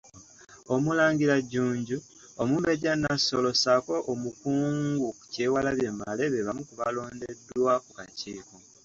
Omulangira Jjunju, Omumbejja Nassolo ssaako Omukungu Kyewalabye Male be bamu ku baalondeddwa ku kakiiko.